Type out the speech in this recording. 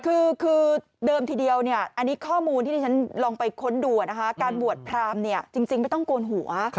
คือเดิมทีเดียวอันนี้ข้อมูลที่ที่ฉันลองไปค้นดูนะคะการบวชพรามเนี่ยจริงไม่ต้องโกนหัว